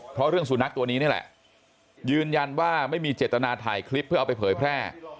เพราะเรื่องสุนัขตัวนี้นี่แหละยืนยันว่าไม่มีเจตนาถ่ายคลิปเพื่อเอาไปเผยแพร่